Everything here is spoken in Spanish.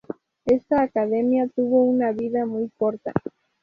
Esta academia tuvo una vida muy corta.